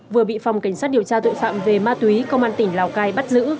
vừa bị phòng cảnh sát điều tra tội phạm về ma túy công an tỉnh lào cai bắt giữ